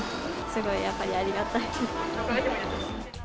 すごい、やっぱりありがたいです。